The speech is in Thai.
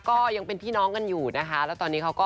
ก็ยังเป็นพี่น้องกันอยู่นะคะแล้วตอนนี้เขาก็